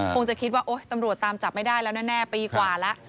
คงจะคิดว่าโอ๊ยตำรวจตามจับไม่ได้แล้วแน่ปีกว่าแล้ว